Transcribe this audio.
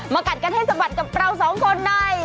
มากัดกระเทศสะบัดกับเราสองคนใน